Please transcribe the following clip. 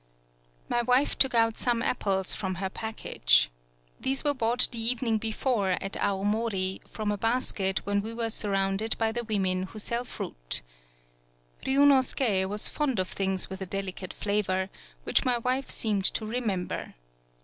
My wife took out some apples from 150 TSUGARU STRAIT her package. These were bought the evening before, at Awomori, from a bas ket when we were surrounded by the women who sell fruits., Ryunosuke was fond of things with a delicate flavor, which my wife seemed to remember.